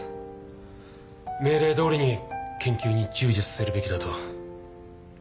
命令どおりに研究に従事させるべきだと。